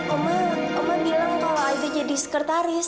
oma oma bilang kalau aida jadi sekretaris